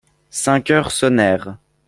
Cinq heures sonnèrent.